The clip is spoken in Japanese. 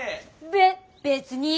べ別に！